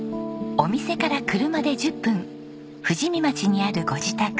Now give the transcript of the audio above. お店から車で１０分富士見町にあるご自宅。